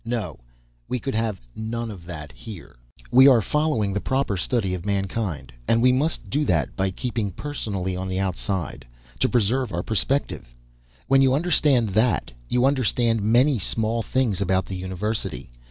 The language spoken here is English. No, we could have none of that here. "We are following the proper study of mankind and we must do that by keeping personally on the outside, to preserve our perspective. When you understand that, you understand many small things about the university.